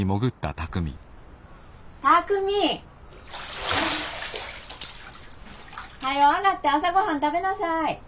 巧海。はよ上がって朝ごはん食べなさい。